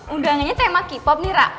udah ngenya tema k pop nih ra